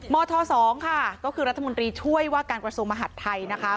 ท๒ค่ะก็คือรัฐมนตรีช่วยว่าการกระทรวงมหัฐไทยนะคะ